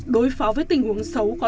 đối phó với tình huống xấu hổ